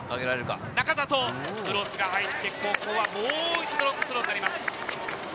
仲里、クロスが入って、ここは、もう一度ロングスローになります。